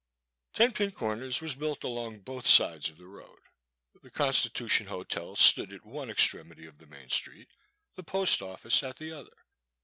'* Ten Pin Comers was built along both sides of the road; the Constitution Hotel stood at one extremity of the main street, the Post Office at the other.